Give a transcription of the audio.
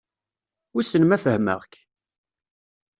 Wissen ma fehmeɣ-k?